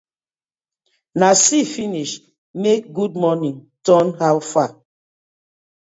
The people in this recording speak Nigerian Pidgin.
Na see finish make “good morning” turn “how far”: